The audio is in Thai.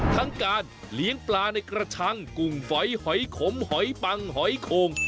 ทั้งการเลี้ยงปลาในกระชังกุ่งฝอยหอยขมหอยปังหอยโคง